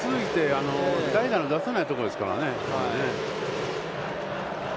代打を出さないところですからね。